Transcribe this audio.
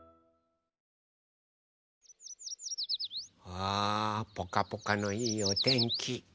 あぽかぽかのいいおてんき。